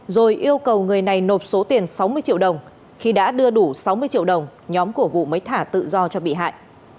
rồi yêu cầu người này nộp số tiền sáu mươi triệu đồng khi đã đưa đủ sáu mươi triệu đồng nhóm của vũ mới thả tự do cho bị hại